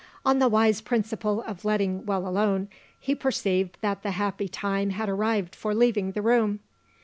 On the wise principle of letting well alone, he perceived that the happy time had arrived for leaving the room.